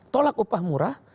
tolak upah murah